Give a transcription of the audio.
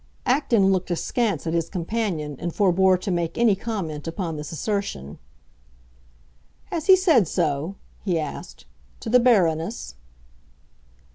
Acton looked askance at his companion and forbore to make any comment upon this assertion. "Has he said so," he asked, "to the Baroness?"